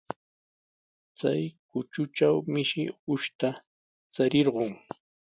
Chay kutatraw mishi ukush charirqun.